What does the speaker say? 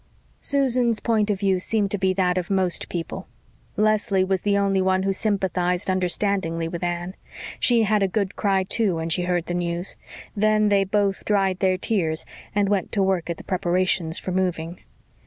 Susan's point of view seemed to be that of most people. Leslie was the only one who sympathised understandingly with Anne. She had a good cry, too, when she heard the news. Then they both dried their tears and went to work at the preparations for moving.